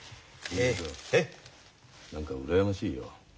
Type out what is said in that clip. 何か羨ましいよ。